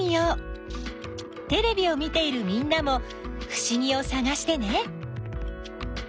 テレビを見ているみんなもふしぎをさがしてね！